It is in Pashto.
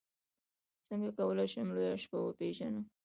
څنګه کولی شم لویه شپه وپېژنم